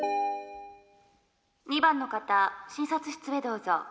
「２番の方診察室へどうぞ」。